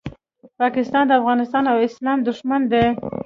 پاکستان د افغانستان او اسلام دوښمن دی